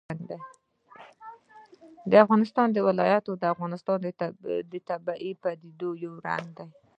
د افغانستان ولايتونه د افغانستان د طبیعي پدیدو یو رنګ دی.